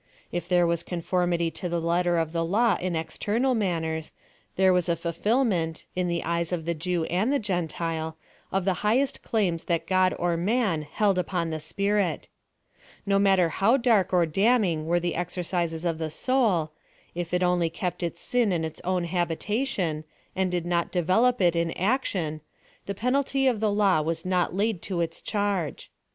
If there was conformity to the letter of the law in external mnnners, tliere was a fulfilment, in the eves of the Jew and the Gentile, of the highest claims that God or man held upon the s])irit. No matter how dark or damning were the exercises of the soul ; if it only kept its sni in its own habitation, and did not devolope it in action, (ne penalty of the law was not laid to its charge.